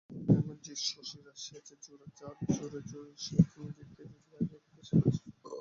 আবার তেমন জিদ শশীর আসিয়াছে যার জোরে সেনদিদিকে আগে একবার সে বাঁচাইয়াছিল।